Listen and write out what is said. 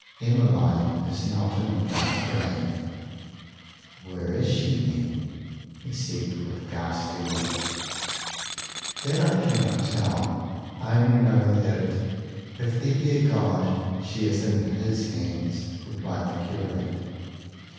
"Emmeline is not in the dark grave." "Where is she, then?" he said with a ghastly look. "That I cannot tell. I only know that, if there be a God, she is in his hands," replied the curate.